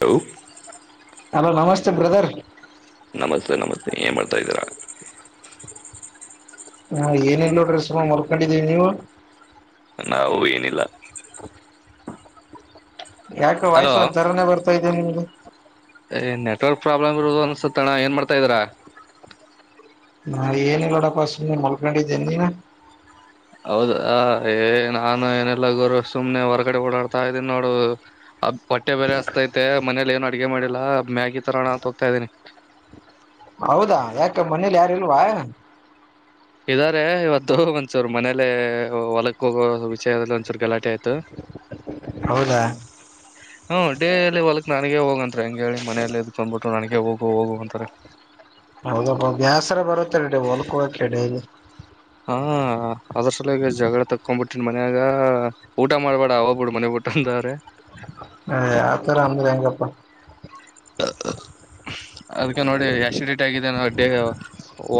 Hello hello ನಮಸ್ತೆ brother ನಮಸ್ತೆ ನಮಸ್ತೆ ಏನ್ ಮಾಡ್ತಾ ಇದ್ದೀರಾ ಹಾ ಏನಲ್ಲೋ ಡ್ರೆಸ ಮರ್ಕೊಂಡಿದ್ದೀನೀವು ನಾವು ಏನಿಲ್ಲ ಯಾಕೆ ಹಲೋ ವಯಸ್ಸು ಒಂಥರನೇ ಬರ್ತಾ ಇದದೆೇ ನಿಮ್ಗೆ ಏ ನೆಟ್ವರ್ಕ್ ಪ್ರಾಬ್ಲಮ್ ಇರುೋದು ಅನ್ಸತ್ತಣ ಏನ್ ಮಾಡ್ತಾ ಇದ್ರಾ ನಾ ಏನಲ್ಲೋಡಪ್ಪ ಸು ಮಳ್ಕೊಂಡಿದ್ದೇ ನೀನ ಹೌದ ಏ ನಾನು ಏನೆಲ್ಲ ಗುರು ಸುಮ್ನೆ ಹೊರಗಡೆ ಓಡಾಡ್ತಾ ಇದ್ದೀನಿ ನೋಡು ಅ ಬಟ್ಟೆ ಬೆಲೆಸ್ತತೆ ಮನೇಲಿ ಏನು ಅಡ್ಗೆ ಮಾಡಿಲ್ಲಾ ಮ್ಯಾಗಿ ತರೋಣ ಅಂತ ಹೋಗ್ತಾ ಇದ್ದೀನಿ ಹೌದಾ ಯಾಕ ಮನೇಲಿ ಯಾರಲ್ವಾ ಇದಾರೆ ಇವತ್ತು ಒಂದಸೂರ್ ಮನೇಲೆ ಹೊಲಕ್ ಹೋಗೋ ವಿಷಯದಲ್ಲಿ ಒಂದ್ಸೂರು ಗಲಾಟೆ ಆಯ್ತು ಹೌದಾ ಹ್ಮ ಡೇಲಿ ಹೊಲಕ್ ನನಗ ಹೋಗ ಅಂತ ಹೆಂಗಗೆ ಹೇಳಿ ಮನೆಯಲ್ಲಿ ಇದದ್ಕೊಂಡ್ಬಿಟ್ಟು ನನಗ ಹೋಗು ಹೋಗು ಅಂತಾರೆ ಹೌದಪ್ಪ ಬೇಸರ ಬರುತ್ತ ರ ಹೊಲ್ಕ ಹಕಡಲ್ಲಿ ಹ್ಮ ಅದ್ರ ಸಲ ಈಗ ಜಗಳ ತಕೊಬಿಟ್ಟನ್ ಮನ್ಯಾಗ ಊಟ ಮಾಡ್ಬೇಡ ಆಗ್ಬಿಡು ಮನೆಬಟ್ಟ ಅಂತಾರೆ ಹ ಯತ್ರರ ಅಂದರೆಂಗಪ್ಪ ಅದ್ಕ್ಕೆ ನೋಡಿ ಆಶಿಡೇಟ್ ಆಗಿದೆ ನ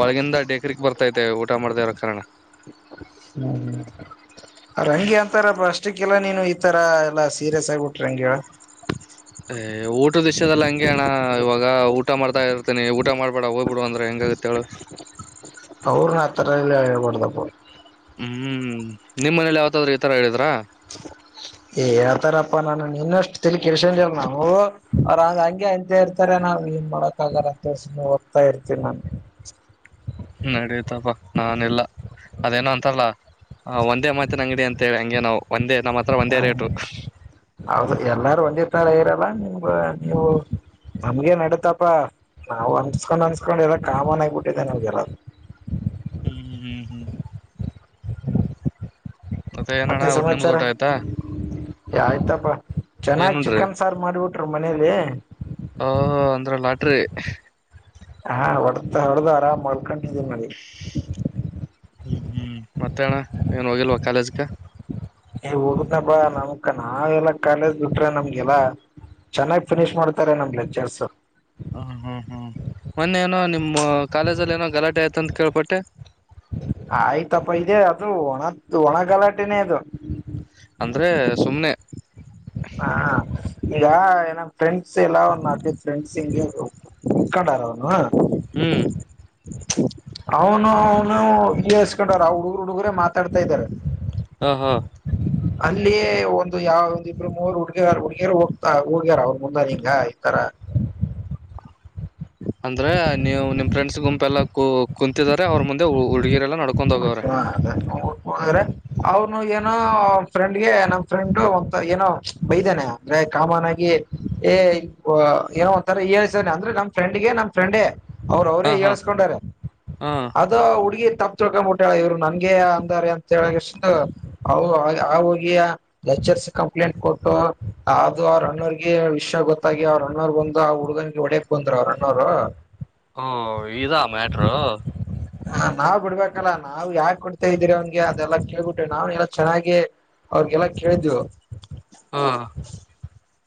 ಒಳಗಿಂದ ಡೇಕ್ರಕ್ ಬರ್ತೈತೆ ಊಟ ಮಾಡ್ದ ಇ ಕಾರಣ ಹ್ಮ್ ರಂಗಿ ಅಂತಾರಪ್ಪ ಅಷ್ಟಕ್ಕಲ್ಲ ನೀನು ಈತರ ಎಲ್ಲಾ ಸೀರಿಯಸ್ ಆಗಿಬಿಟ್ರಿ ರಂಗಿ ಏ ಊಟ ದೃಶ್ಯದದಲ್ಲಿ ಹಂಗೆ ಅಣ್ಣ ಇವಾಗ ಊಟ ಮಾಡ್ತಾ ಇರ್ತನಿ ಊಟ ಮಾಡ್ಬೇಡ ಹೋಗ್ಬಿಡು ಅಂದ್ರೆ ಹೆಂಗ ಗತ್ತಳ ಅವ್ರ ಆ ತರಲ್ಲ ಹೇಳ್ಬಡ್ದಪ್ಪ ಹ್ಮ್ ನಿಮ್ಮನೇಲಿ ಯಾವತಾದ್ರೂ ಈತರ ಹೇಳಿದ್ರ ಏ ಹಳ್ತಾರಪ್ಪಾ ನಾನು ಇನ್ನಷ್ಟು ತಿಲಿ ಕೆಳ್ಸೊಂಡವ ನಾವು ಅವ್ರ ಹಗೆ ಅಂತ ಇರ್ತಾರೆ ನಾವು ಏನು ಮಾಡಕ್ಕಾಗಲ್ಲ ಅಂತೆ ಓದ್ತಾ ಇರ್ತೀವಿ ನಾವು ನಡತಪಾ ನಾನೆಲ್ಲ ಅದೇನೋ ಅಂತಾರಲ್ಲ ಒಂದೇ ಮತಿನ ಅಂಗಡಿ ಹಂಗೆ ನಾವು ಒಂದೇ ಮಾತು ಹ್ಮ ಹೌದು ಎಲ್ಲಾರು ಒಂದೇ ತರ ಇರಲ್ಲ ನಿಮ್ ನೀವು ನಮ್ಗೇನ್ ನಡತಪ್ಪಾ ನಾವು ಅನ್ಸ್ಕೊಂಡ್ ಅನ್ಸಡಲ್ಲ ಕಾಮನ್ಗಬಿಟ್ಟಿದ್ದೆ ನಮ್ಗೆಲ್ಲ ಹ್ಮಹ್ಮ್ ಹ್ಮ್ ಮತ್ತೆ ಏನಣ್ಣ ಮತ್ತೆನ್ ಅವ್ರ ನಿಮ್ದ ಸಮಾಚಾರಾ ಊಟ ಆಯ್ತಾ ಆಯ್ತಪ್ಪಾ ಏನ್ ಚೆನ್ನಾಗ್ ಚಿಕನ್ ಸಾರು ಮಾಡ್ಬಿಟ್ರ ಮನೇಲಿ ಹ ಅಂದ್ರ ಲಾಟ್ರಿ ಹಾ ಹೊಡೆತ ಹೊಡೆದು ಆರಾಮ ಮಾಡಳ್ಕೊಂಡಿದ್ದೀ ನಡಿ ಮತ್ತಣ ಏನ್ ಹೋಗಿಲ್ವ ಕಾಲೇಜ್ಗಕ ಏ ಹೊದನ ಬಾ ನಮಕ ನಾವೆಲ್ಲಾ ಕಾಲೇಜ್ ಬಿಟ್ರೆ ನಮ್ಗೆಲ್ಲಾ ಚೆನ್ನಾಗ್ ಫಿನಿಶ್ ಮಾಡ ನಮ್ ಲೆಕ್ಚರ್ಸ್ ಹ್ಮ ಹ್ಮ್ ಹ್ಮ್ ಮೊನ್ನೆ ಏನೋ ನಿಮ ಕಾಲೇಜಲ್ಲಿ ಏನೋ ಗಲಾಟೆ ಆಯ್ತ ಅಂತ ಕೇಳ್ಪಟ್ಟೆ ಆಯ್ತಪ್ಪ ಇದೆ ಅದು ಒಣತ್ ಒಣಗಲಾಟೆನೆೇ ಅದು ಅಂದ್ರೆ ಸುಮ್ಮನೆ ಹಾ ಈಗ ಏನ ಫ್ರೆಂಡ್ಸ್ ಎಲ್ಲಾ ನಾಕೈದ ಫ್ರೆಂಡ್ಸ್ಅಂದುಕೊಂಡರು ಹ್ಮ್ ಅವನು ಹೌ [unintelligible] ಹುಡುಗರು ಹುಡುಗರೇ ಮಾತಾಡ್ತಾ ಇದ್ದಾರೆ ಹ ಹಾ ಅಲ್ಲಿಯೇ ಒಂದು ಯಾವ್ದ ಇಬ್ರು ಮೂರು ಹುಡುಗಿಯರ, ಹುಡುಗಿಯರ ಹೋಗ್ಯಾರ ಅವರ ಮುಂದೆ ಹಿಂಗ ಹ ಅಂದ್ರೆ ನೀವು ನಿಮ್ ಫ್ರೆಂಡ್ಸ್ ಗುಂಪು ಕುಂತಿದಿದ್ದಾರೆ ಅವರ ಮುಂದೆ ಹುಡುಗಿಯರ ನಢಕೊಂತು ಹ ಅದ ಹ್ರೆ ಅವ್ನು ಏನೋ ಫ್ರೆಂಡ್ಗೆ ನಮ್ ಫ್ರೆಂಡ್ ಒಂತ ಏನೋ ಬೈದಾನೆ ಅಂದ್ರೆ ಕಾಮನ್ ಆಗಿ ಏ ಏನೋ ಒಂಥರ ಏಳ್ತ ಅಂದ್ರೆ ನಮ್ ಫ್ರೆಂಡ್ಗೆ ನಮ್ ಫ್ರೆಂಡೇ ಅವ್ರ ಅವರೇ ಹಾ ಹಾ ಹೇಳಸಕೋಡಾರೆ ಹಾ ಅದು ಹುಡುಗಿ ಳ್ಕೊಬಿಟ್ಟಳ ಇವ್ರು ನನ್ಗೆ ಅಂದಾರೆ ಅಂತ ಹೇಳಿಕೇಸಿಂದ ಆ ಹೋಗಿ ಎರ್ಸ್ ಕಂಪ್ಲೇಂಟ್ ಕೊಟ್ಟು ಅದು ಅವ್ರ ಅಣೋರಿಗೆ ವಿಷಯ ಗೊತ್ತಾಗಿ ಅವ ಅವರಣ್ಣರ್ ಬಂದ್ ಆ ಹುಡುಗನ್ಗೆ ಹೋಡಕ್ ಬಂದ್ರ ಅವರ ಅಣ್ಣಾವ್ರು ಓ ಇದಾ ಮ್ಯಾಟರು ಹ ನಾವ್ ಬಿಡ್ಬೇಕಲ್ಲ ನಾವ್ ಯಾಕ ಕೊಡ್ತಾ ಇದ್ದೀರಿ ಅವನ್ಗೆ ಅದೆಲ್ಲಾ ಕೇಳ್ಬಿಟ್ಟವಿ ನಾವ್ ಎಲ್ಲ ಚೆನ್ನಾಗಿ ಅವ್ರಿಗೆಲ್ಲ ಕೇಳಿದವು ಹಾ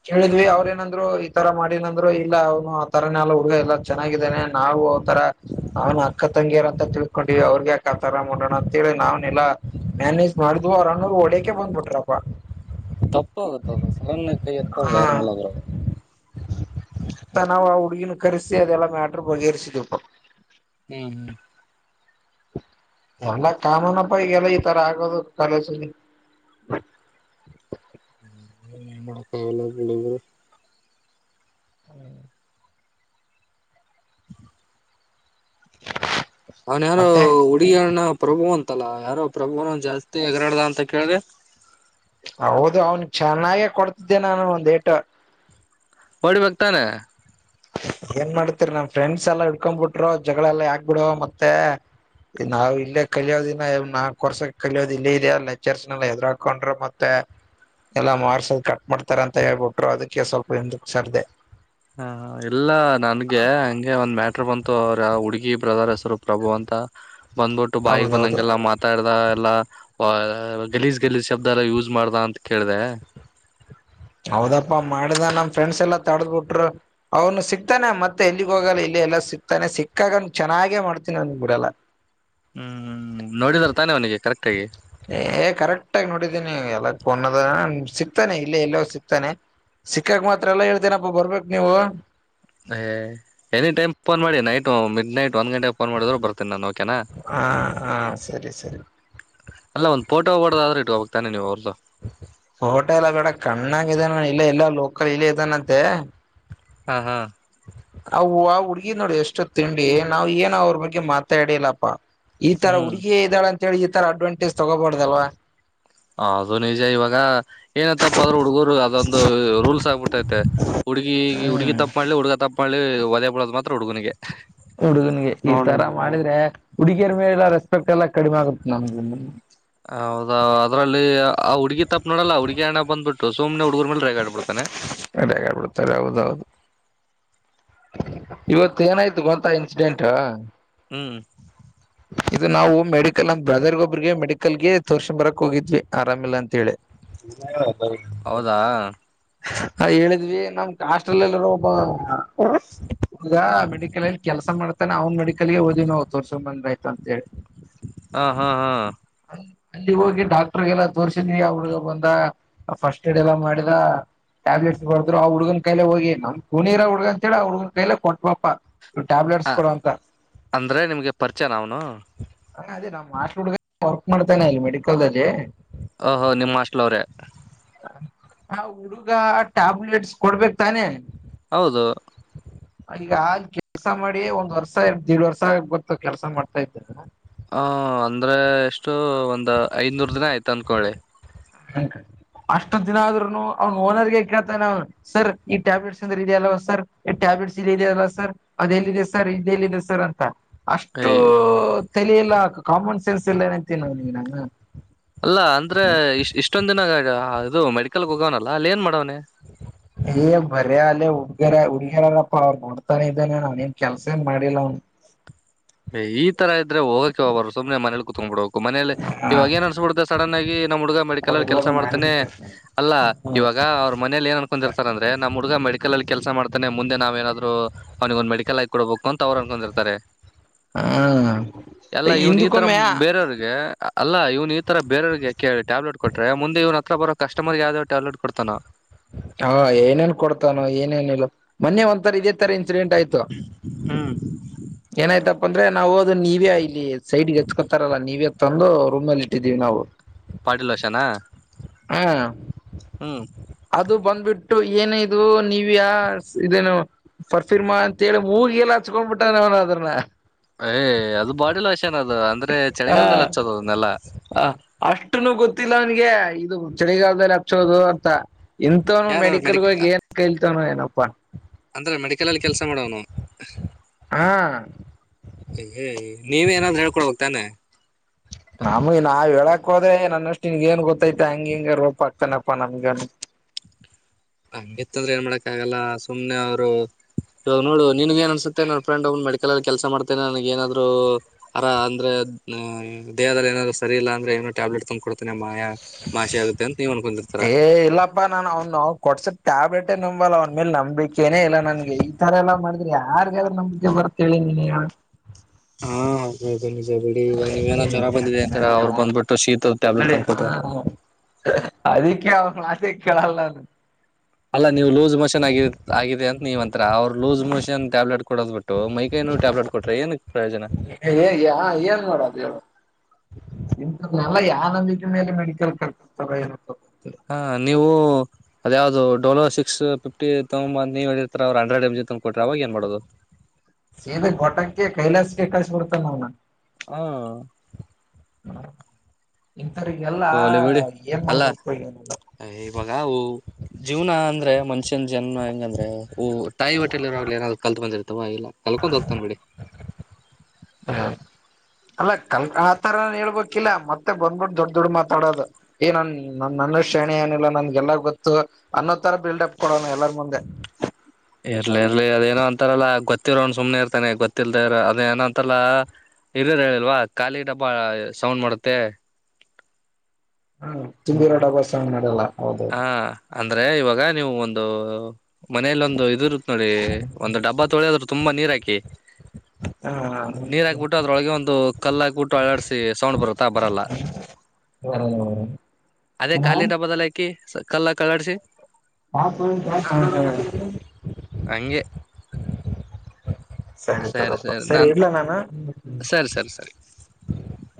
ಕೇಳಿದ್ವಿ ಅವರ ಏನಂದ್ರು ಈ ತರ ಮಾಡಿನಂದ್ರು ಇಲ್ಲ ಅವನು ಹುಡುಗ ಎಲ್ಲ ಚೆನ್ನಾಗಿದ್ದಾನೆ ನಾವು ಅವ ರ ಅವ್ನ ಅಕ್ಕ ತಂಗಿಯರ ಅಂತ ತಿಳ್ಕೊಂಡಿವ ಅವ್ರಗ್ ಯಾಕ ಆತಾರ ಮಾಡೊಣ ಅಂತೇಳಿ ನಾ ಎಲ್ಲ ಮ್ಯಾನೇಜ್ ಮಾಡಿದ್ ಅವರನ್ನ ಹೊಡಕೆ ಬಂದ್ಬಿಟ್ರಪ್ಪ ಹ ಸಲ್ಣ ಕೈ ಎತ್ತದೇತ್ ಆಗಾಗಿಲ್ಲರ ಹುಡುಗಿನ ಕರೆಸಿ ಅದೆಲ್ಲಾ ಮ್ಯಾಟರ ಬಗೆಹರ್ರಿಸಿದಿವಪ್ಪಾ ಹ್ಮ್ ಎಲ್ಲ ಕಾಮನ ಪ ಈಗೆಲ್ಲಾ ಇತರ ಆಗದು ಕಾಲೇಜ್ ನಲ್ಲಿ ಹ [unintelligible] ಹ್ಮ್ ಅವನ ಯಾರು ಮತ್ತೆ ಹುಡುಗಿ ಅಣ್ಣಾ ಪ್ರಭು ಅಂತಲ್ಲ ಯಾರೋ ಪ್ರಭುನ ಜಾಸ್ತಿ ಹೆಗರಾಡ್ದ ಅಂತ ಕೇಳ್ದೆ ಹೌದು ಅವನ್ ಚೆನ್ನಾಗೇ ಕೊಡ್ತಿದ್ದೆ ನಾನು ಒಂದ ಏಟ [unintelligible] ತಾನೆ ಏನ್ ಮಾಡ್ತಿರಿ ನಮ್ ಫ್ರೆಂಡ್ಸ್ ಎಲ್ಲ ಹಿಡ್ಕಂಡ್ ಬಿಟ್ರು ಜಗಳೆಲ್ಲ ಯಾಕ ಬೀಡು ಮತ್ತೆ ನಾವ್ ಇಲ್ಲೇ ಕಲಿಯೋದಿನ ನಾಕ್ ವರ್ಷ ಕಲಿಯೋದ ಇಲ್ಲೇ ಇದೆಯ ಲೆಕ್ಚರ್ಸ್ ನಾ ಎದರಹಾಕೊಂಡ್ರೆ ಮತ್ತೆ ಎಲ್ಲಾ ಮಾರ್ಸದ ಕಟ್ ಮಾಡ್ತಾರ ಅಂತ ಹೇಳ್ಬಿಟ್ರು ಅದಕ್ಕೆ ಸ್ವಲ್ಪ ಹಿಂದಕ್ ಸರ್ದೆ ಹ ಇಲ್ಲ ನನಗೆ ಹಂಗೆ ಒಂದ್ ಮ್ಯಾಟ್ರ ಬಂತು ಅವ್ರ ಹುಡುಗಿದು ಬ್ರದರ ಹೆಸರು ಪ್ರಭು ಅಂತ ಬಂದ್ಬಿಟ್ಟು ಬಾಯಿಗೆ ಹೌದೌದು ಬಂದಂಗೆಲ್ಲ ಮಾತಾಡ್ದ ಎಲ್ಲಾ ವ ಗಲೀಜ್ ಗಲೀಜ್ ಶಬ್ದ ಎಲ್ಲ ಯೂಸ್ ಮಾಡ್ದ ಅಂತ ಕೇಳ್ದೆ ಹೌದಪ್ಪಾ ಮಾಡ್ದ ನಮ್ ಫ್ರೆಂಡ್ಸ್ ಎಲ್ಲಾ ತಡದ್ಬಿಟ್ರು ಅವ್ನು ಸಿಕ್ತಾನೆ ಮತ್ತೆ ಎಲ್ಲಿಗ್ ಹೋಗಲ್ಲ ಇಲೆ ಎಲ್ಲ ಸಿಗ್ತಾನೆ ಸಿಕ್ಕಾಗ ಅವನಿಗೆ ಚೆನ್ನಾಗೆ ಮಾಡ್ತೀನಿ ಅವನಿಗೆನ ಬಿಡಲ್ಲಾ ಹ್ಮ್ ನೋಡಿದರ್ ತಾನೇ ಅವ್ನಿಗೆ ಕರೆಕ್ಟಾಗಿ. ಏ ಕರೆಕ್ಟ್ ಆಗಿ ಎಲ್ಲ [unintelligible] ಸಿಗ್ತಾನೆ ಇಲ್ಲ ಎಲ್ಲೂ ಸಿಕ್ತಾನೆ ಸಿಕ್ಕಾಕ್ ಮಾತ್ರ ಎಲ್ಲಾ ಹೇಳ್ತೇನಪ್ಪ ಬರ್ಬೇಕ ನೀವು. ಹೇ ಎನಿ ಟೈಮ್ ಪೋನ್ ಮಾಡಿ ನೈಟ್ ಮಿಡ್ ನೈಟ್ - - ಒಂದ್ ಗಂಟೆಗ್ ಫೋನ್ ಮಾಡಿದ್ರು ಬರ್ತೇನಾನು ಓಕೆನಾ ಹಾ ಹಾ ಸರಿ ಸರಿ ಅಲ್ಲ ಒಂದು ಪೋಟೊ [unintelligible] ಇಟ್ಕೋಬೇಕು ತಾನೆ ನೀವು ಪೋಟ ಎಲ್ಲ ಬೇಡ ಕಣ್ಣಾಗ್ ಇದಾನ ಇಲ್ಲೆ ಎಲ್ಲಾ ಲೋಕಲ್ ಗ್ ಇದಾನಂತೆ. ಹಾ ಹಾ ಹ ಆ ಹುಡ್ಗಿ ನೋಡಿ ಇಷ್ಟಾದ ತಿಂಡಿ ನಾವ್ ಏನ್ ಅವ್ರ ಬಗ್ಗೆ ಮಾತೆ ಆಡಿಲಪ್ಪ. ಈ ತರ ಹ್ಮ್ ಹುಡುಗಿ ಇದ್ದಾಳ್ ಅಂತೇಳಿ ಈ ತರ ಅಡ್ವಾಂಟೇಜ್ ತಗೋಬಾರ್ದಲ್ವಾ. ಅದು ನಿಜ ಇವಾಗ ಏನ ತಪ್ಪಾದ್ರೂ ಹುಡುಗರು ಅದೊಂದು ರೂಲ್ಸ್ ಆಗ್ಬಿಟ್ - ಮತ್ತೆ ಹುಡ್ಗಿ ಹುಡ್ಗಿ ಹ್ಮ್ ತಪ್ಪ ಮಾಡ್ಲಿ ಹುಡುಗ ತಪ್ಪ ಮಾಡ್ಲಿ ಒದೆ ಬಳೋದ್ ಮಾತ್ರ ಹುಡ್ಗನ್ಗೆ ಹುಡುಗನ್ಗೆ ಈ ತರ ಮಾಡಿದ್ರೆ ಹುಡ್ಗಿಯರ ಮೇಲಿರೂ ರೆಸ್ಪೆಕ್ಟ್ ಎಲ್ಲಾ ಕಡಿಮೆ ಆಗುತ್ತ ನಮ್ ಹೌದಾ ಅದರಲ್ಲಿ ಆ ಹುಡುಗಿ ತಪ್ಪ ನೋಡಲ್ಲ ಹುಡುಗಿ ಅಣ್ಣ ಬಂದ್ಬಿಟ್ಟು ಸುಮ್ನೆ ಹುಡುಗರ್ ಮೇಲೆ ರೇಗ ಡ್ ಬಿಡ್ತಾನೆ. ಯಾರ್ ಬಿಡ್ತಾರೆ ಹೌದೂ ಇವತ್ ಏನಾಯ್ತು ಗೊತ್ತಾ ಇನ್ಸಿಡೆಂಟು. ಹ್ಮ್ ಇದು ನಾವು ಮೆಡಿಕಲ್ ನಮ್ಮ ಬ್ರದರ್ ಒಬ್ರಗೆ ಮೆಡಿಕಲ್ಗೆ ತೋರ್ಸ ಬರಕ್ ಹೋಗಿದ್ವಿ ಆರಾಮಿಲ್ಲ ಅಂತ ಹೇಳಿ. [inaudible] ಹೌದಾ ಹ ಹೇಳಿದ್ವಿ ನಮ್ಮ ಕ್ಯಾಸ್ಟ್ರೋ ಲಾಲ್ ಇರೋ ಒಬ್ಬ. ಈಗ ಮೆಡಿಕಲ್ ಅಲ್ಲಿ ಕೆಲಸ ಮಾಡ್ತಾನೆ ಅವ್ನ್ ಮೆಡಿಕಲ್ ಗೆ ಹೋದಿವಿ ನಾವು ತೋರ್ಸ ಬಂದ್ರ ಆಯ್ತು ಅಂತ್ ಹೇಳಿ. ಹ ಹಾ ಹಾ ಅಲ್ಲಿ ಹೋಗಿ ಡಾಕ್ಟರ್ಗೆಲ್ಲ ತೋರ್ಸಿನಿ ಅವ್ರಗ ಬಂದ ಫಸ್ಟ್ ಏಡ್ ಎಲ್ಲಾ ಮಾಡಿದ. ಟ್ಯಾಬ್ಲೆಟ್ಸ್ ಬರ್ದ್ರು ಆ ಹುಗನ್ ಕೈಲೆ ಹೋಗಿ ನಮ್ ಕುಣಿ ಹುಡ್ಗ ಅಂತ ಹೇಳಿ ಹುಡ್ಗನ್ ಕೈಲೆ ಕೊಟ್ವಪ. ಹ ಅಂದ್ರೆ ನಿಮ್ಗೆ ಪರಿಚಯನ ಅವ್ನು. ಹ ಅಣ್ಣ ಅದೇ ನಮ್ಮ ಹಾಸ್ಟಲ್ ಹುಡ್ಗ ವರ್ಕ್ ಮಾಡ್ತನೆ ಇಲ್ಲಿ ಮೆಡಿಕಲಲ್ಲಿ. ಹೋ ಹೋ ನಿಮ್ಮ ಹಾಸ್ಟಲ್ ಅವ್ರೆ ಹ ಹುಡ್ಗ ಟ್ಯಾಬ್ಲೆಟ್ಸ್ ಕೊಡ್ಬೇಕ್ ತಾನೆ. ಹೌದು ಈಗ ಆ ಕೆಲ್ಸ ಮಾಡಿ ಒಂದ್ ವರ್ಷ [unintelligible] ವರ್ಷ ಆಗಕ್ಬಂತು ಕೆಲ್ಸ ಮಾಡ್ತಾ ಇದ್ ಹ ಅಂದ್ರೆ ಎಷ್ಟು ಒಂದ್ ಐನೂರ್ ದಿನ ಆಯ್ತು ಅನ್ಕೊಳ್ಳಿ. [unintelligible] ಅಷ್ಟು ದಿನ ಆದ್ರೂನು ಅವ್ನ ಓನರ್ ಗೆ ಕೇಳ್ತಾನೆ ಅವನ್ ಸರ್ ಈ ಟ್ಯಾಬ್ಲೆಟ್ಸ್ಬಂದ್ರೆ ಇದೆಯಲ್ವ ಸರ್ ಈ ಟ್ಯಾಬ್ ಟ್ಯಾಬ್ಲೆಟ್ಸ್ ಇಲ್ಲಿದೆ ಅಲ್ವ ಅದೆಲ್ಲಿದೆ ಸರ್ ಇದೆಲ್ಲಿದೆ ಸರ್ ಅಂತ. ಅಷ್ಟು ಏಯ್ ತೇಲಿ ಇಲ್ಲ ಕಾಮನ್ ಸೆನ್ಸ್ ಇಲೇನ್ ಅಂತೀನಿ ನಿನ್ ಅಣ್ಣಾ. ಅಲ್ಲಾ ಅಂದ್ರೆ ಇ ಇಷ್ಟೊಂದ್ ದಿನ ಅದು ಮೆಡಿಕಲ್ಗ್ ಹೋಗೋನಲ್ಲ ಅಲ್ಲಿ ಏನ್ ಮಾಡೊನೆ [inaudible] ಏ ಬರ್ಯ ಅಲ್ಲೇ ಹುಡ್ಗೀರ್ ಹುಡ್ಗ್ಯರಾರಪ್ಪಾ ಅವ್ರ ನೋಡ್ತಾನೆ ಇದ್ದೆನೆ ಅವನೇನ್ ಕೆಲ್ಸೇನ್ ಮಾಡಿಲ್ಲ ಅವ್ನು [inaudible] ಎ ಇತರ ಇದ್ರೆ ಹೋಗಕೆ ಬಾರ್ದ ಸುಮ್ನೆ ಮನೇಲಿ ಕುೂತ್ಕ್ಬ ಬಿಡಬೇಕ್ ಮನಲಿ ಇವಾಗ ಏನ್ ಅನ್ಸಬಿಡುತ್ತೆ ಸಡನ್ ಆಗಿ ನಮ್ಮ್ ಹುಡುಗ ಮೆಡಿಕಲ್ ಅಲ್ಲಿ ಕೆಲಸ ಅವೆಲ್ಲರೂ ನಾನೇ ಮಾಡ್ತಾನೆ ಅಲ್ಲ ಹ್ಮ್ ಇವಾಗ್ ಆ ಅವ್ರ ಮನೆಲಿ ಏನ್ ಅನ್ಕೂಡಿರ್ತಾರೆ ಅಂದ್ರೆ ನಮ್ ಹುಡ್ಗ ಮೆಡಿಕಲ್ ಅಲ್ ಕೆಲಸ ಮಾಡ್ತಾನೆ ಮುಂದೆ ನಾವ್ ಏನಾದ್ರು ಅವ್ನಿಗೆ ಒಂದ್ ಮೆಡಿಕಲ್ ಆಕೊಡ್ಬೇಕು ಅಂತ ಅವರು ಅನ್ಕೊಂಡಿರ್ತಾರೆ. ಎಲ್ಲ ಇವನ್ ಈ ತರ ಹಿಂದಕ್ಕೊಮ್ಮೆ ಬೇರೆಯವ್ರಿಗೆ. ಅಲ್ಲ ಇವ್ನ್ ಈ ತರ ಬೇರೆಯ್ರಿಗೆ ಟ್ಯಾಬ್ಲೆಟ್ ಕೊಟ್ರೆ ಮುಂದೆ ಇವ್ರು ಹತ್ರ ಬರೋ ಕಸ್ಟಮರ್ಗೆ ಯಾವ್ದಾವ್ ಟ್ಯಾಬ್ಲೆಟ್ ಕೊಡ್ತಾನ. ಹಾ ಏನೇನ್ ಕೊಡ್ತಾನೋ ಏನೇನ ಇಲ್ಲ ಮೊನ್ನೆ ಒಂಥರಾ ಇದೇ ತರ ಎಕ್ಸಿಡೆಂಟ್ ಆಯ್ತು ಹ್ಮ್ ಏನಾಯ್ತ ಅಂದ್ರೆ ನಾವು ಅದು ನೀವೇ ಇಲ್ಲಿ ಸೈಡ್ಗೆ ಎತ್ಕೊತಾರಲ್ಲಾ ನೀವೇ ತಂದು ರೂಮ್ ಅಲ್ಲಿ ಇಟ್ಟಿದೀವಿ ನಾವು. ಬಾಡಿಲೊಷನ್ನ ಹಾ ಹ್ಮ್ ಅದು ಬಂದ್ಬಿಟ್ಟು ಏನ ಇದು ನೀವ ಯ ಇದೇನು. ಫರ್ಫೀರ್ಮಾ ಅಂತೇಳಿ ಮೂಗ ಎಲ್ಲ ಹಚ್ಕೊಂಡ್ಬಿಟ್ಟಾನ ಅವನ ಅದ್ರನ್ನ. ಏ ಅದು ಬಾಡಿ ಲಾಷ್ ನದು ಅಂದ್ರೆ ಚಳಿಗಾಲದಲ್ಲಿ ಹಚ್ಚದ ಅದನ್ನೆಲ್ಲಾ. ಅ ಅಷ್ಟನು ಗೊತ್ತಿಲ್ಲ ಅವನ್ಗೆ. ಇದು ಚಳಿಗಾಲದಲ್ಲಿ ಹಚ್ಚೋದು ಅಂತ ಇಂತವನು ಯಾರು ಮೆಡಿಕಲ್ ಮೆಡಿಕ ಏನ್ ಕೈಲ್ತವನು ಏನಪ್ಪಾ. ಅಂದ್ರೆ ಮೆಡಿಕಲ್ಲ್ ಕೆಲ್ಸ ಮಾಡವನು ಹಾ ಅ ನೀವ ಏನಾದ್ರರೂ ಹೇಳ್ಕೊಡ್ಬಕ್ ತಾನೆ. ನಮ ನಾವ ಹೇಳಕ್ರರೋದ್ರೆ ನನ್ನಷ್ಟು ನಿನ್ಗ ಏನ್ ಗೊತ್ತೈತ ಹಂಗ ಹಿಂಗ ರೋಪ ಆಗ್ತಾನಪ್ಪಾ ನಮ್ಗ. [inaudible] ನಂಗಗೆತ್ತಂದ್ರೆ ಏನ್ ಮಾಡಾಕ್ಕ ಆಗಲ್ಲ ಸುಮನೆ ಅವರು ಇವಾಗ ನೋಡು ನಿನ್ಗ್ ಏನ್ ಅನ್ಸುತ್ತೆ ನನ್ ಫ್ರೆಂಡ್ ಒ್ ಮೆಡಿಕಲ್ಲ್ಲಿ ಕೆಲಸ ಮಾಡ್ತೇನೆ ನನಗ್ ಏನಾದ್ರುರ ಅಂದ್ರೆ. ದೇಹದಲ್ಲಿ ಏನಾದ್ರು ಸರಿಲ್ಲ ಅ ಏನೋ ಟ್ಯಾಬ್ಲೆಟ್ ತಂದು ಕೊಡ್ತನನೆ ಮಾಯ ಮಾಶಿ ಆಗುತ್ತೆ ಅಂತ. ನೀವ್ ಅನ್ಕೊಂಡಿರ್ತಾರ ಏ ಇಲ್ಲಪ್ಪಾ ನಾನ್ ಅವನು ಕೊಡ್ಸ ಟ್ಯಾಬ್ಲೆಟೇ ನಂಬಲ್ಲ ಅವನ ಮೇಲೆ ನಂಬಿಕೆನೆ ಇಲ್ಲ ನನ್ಗೆ ಈ ತರ ಎಲ್ಲಾ ಮಾಡಿದ್ರೆ ಯಾರ್ಗಾದ್ರೂ ನಂಬಿಕೆ ಬರ್ಥೇಳಿ. ನೀನೇ ಹೇಳು. ಹಾ ಹೌದಾದ್ ಬಿಡಿ ಇವ ನೀವೇನ ಜ್ವರ ಬಂದಿದ್ರೆ ಅಂತ ಅವ್ರು ಬಂದ್ಬಿಟ್ಟು ಶೀತದ ಟ್ಯಾಬ್ಲೆಟ್ ತಂದ ಕೊಟ್ರೆ. ಹ ಅದಕ್ಕೆ ಅವ್ನ್ ಮಾತೆ ಕೇಳಲ್ಲ ಅ ಅಲ್ಲ ನೀವ ಲೂಸ್ ಮೋಷನ್ ಆಗಿ ಆಗಿದೆ ಅಂತ ನೀವ್ಂತ್ರರ ಅವ್ರು ಲೂಸ್ ಮೋಷನ್ ಟ್ಯಾಬ್ಲೆಟ್ ಕೊಡೋದ್ ಬಿಟ್ಟು ಮೈಕೈ ನೋವ್ ಟ್ಯಾಬ್ಲೆಟ್ ಕೊಟ್ರೆ ಏನಕ್ ಪ್ರಯೋಜನ. ಇಂದಲ್ಲ ಯ ನಂಬಿಕ ಮೇಲೆ ಮೆಡಿಕಲ್ ಕಕರ್ತಾರ [unintelligible] ಹಾ ನೀವು ಅದ ಯಾವ್ದ ಡೋಲೋ ಸಿಕ್ಸ್ ಫಿಫ್ಟಿ ತೊಂಬ ನೀವ ಹ ಹೇಳಿರ್ತ ಅವ್ರು ಹಂಡ್ರೆಡ್ ಎಂ ಜಿ ತಂದು ಕೊಟ್ರ ಅವಾಗ ಏನ್ ಮಾಡೋದು. ಸೇವೆ ಟಾಕ್ಕೆ ಕೈಲಾಸಿಗೆ ಕಳ್ಸಿಬಡ್ತಾನ ನವ್ನ. ಹಾ ಇಥವರಿಗೆಲ್ಲಾ ಹೋಗ್ಲಿ ಬಿಡಿ ಏನ್ ಅಲ್ಲ ಮಾಡ್ಬೇಕು ಎನ್ ಎನ್ ಬಿಡೋದು ಇವಾಗ ಅವು ಜೀವನ ಅಂದ್ರೆ ಮನ್ಷ ಜನ್ಮ ಹೆಂಗಂದ್ರೆ ತಾಯಿ ಹೋಟೆಲಿ ಇರ್ವಗ್ಲೆ ಏನ್ ಕಲ್ತ್ ಬಂದಿತ್ತ ಅವಾ ಇಲ್ಲ ಕಲ್ಕೊಂಡ ಹೋಗ್ತಾನ ಬಿಡಿ. ಅಲ್ಲ ಕಲ್ ಆತರ ಹೇಳ್ಬೇಕಿಲ್ಲ ಮತ್ತೆ ಬಂದ್ಬಿಟ್ಟ ದೊಡ್ಡ ದೊಡ್ ಮಾತಾಡೋದು ಏನನ್ ನನ್ನ ಶಾನೆ ಏನಿಲ್ಲ ನನ್ಗೆಲ್ಲ ಗೊತ್ತು ಅನ್ನೋ ತರ ಬಿಲ್ಡ್ ಅಪ್ ಕೊಡೋಣ ಎಲ್ಲರ ಮುಂದೆ. ಇರ್ಲಿ ಇರ್ಲಿ ಅದೇ ಏನೋ ಅಂತಾರಲ್ಲ ಗೊತ್ತಿರಣ ಸುಮ್ನೆ ಇರ್ತಾನೆ ಗೊತ್ತಿಲ್ದ ಅದ ಏನೋ ಅಂತಲ್ಲ. ಇರಿರ್ ಹೇಳಿಲ್ವಾ ಖಾಲಿ ಗಟ್ಟಪ್ಪ ಸೌಂಡ್ ಮಾಡತ್ತೆ. ಹಾ ತುಂಬಿರೋ ಡಬ್ಬ ಸೌಂಡ್ ಮಾಡಲ್ಲ. ಹೌದೌದು ಹಾ ಅಂದ್ರೆ ಇವಾಗ ನೀವು ಒಂದು. ಮನೇಲಿ ಒಂದು ಇದ ಇರುತ್ತ ನೋಡಿ ಒಂದು ಡಬ್ಬಾ ತೊಳಿದ್ರೂ ತುಂಬಾ ನೀರ್ ಹಾಕಿ. ನೀರ್ ಹಾಕ್ಬಿಟ್ಟು ಅದ್ರೊಳಗೆ ಒಂದು ಕಲ್ಲ ಹಾಕ್ಬಿಟ್ಟು ಅಳಾಡ್ಸಿ ಸೌಂಡ್ ಬರುತ್ತಾ ಬರಲ್ಲ. ಹ್ಮ ಅದೇ ಕಾಲಿನ ಬದಲಕಿ ಕಲ್ಲಕ್ ಅಲ್ಲಾಡ್ಸಿ. [unintelligible] ಹಂಗೆ ಸರಿ ಸರಿತದಪ್ಪ ಸರಿ ನಾನ್ ಇಡ್ಲ ನಾನು ಸರಿ ಸರಿ ಸರಿ [unintelligible]